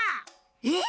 えっ？